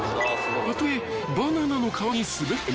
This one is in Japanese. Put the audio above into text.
たとえバナナの皮に滑っても。